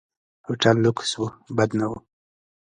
هوټل لکس و، بد نه و.